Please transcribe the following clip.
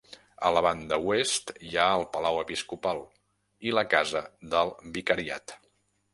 A la banda oest hi ha el palau episcopal, i la casa del Vicariat.